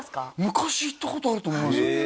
昔行ったことあると思いますへえ！